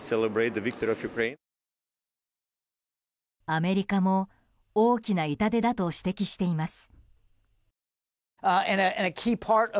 アメリカも大きな痛手だと指摘しています。